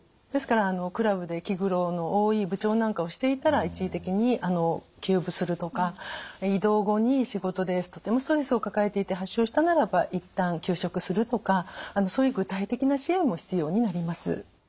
ですからクラブで気苦労の多い部長なんかをしていたら一時的に休部するとか異動後に仕事でとてもストレスを抱えていて発症したならば一旦休職するとかそういう具体的な支援も必要になります。